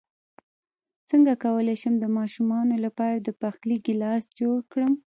څنګه کولی شم د ماشومانو لپاره د پخلی کلاس جوړ کړم